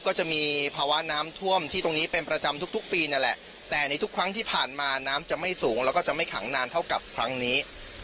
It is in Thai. ก็จะมีภาวะน้ำท่วมที่ตรงนี้เป็นประจำทุกปีนั่นแหละแต่ในทุกครั้งที่ผ่านมาน้ำจะไม่สูงแล้วก็จะไม่ขังนานเท่ากับครั้งนี้